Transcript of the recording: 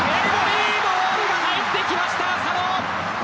いいボールが入ってきました浅野。